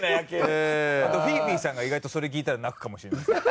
あとフィフィさんが意外とそれ聞いたら泣くかもしれないですね。